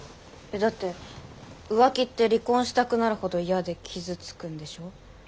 えっだって浮気って離婚したくなるほど嫌で傷つくんでしょ？